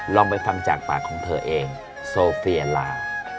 ลองไปฟังจากปากของเธอเองโซเฟียลา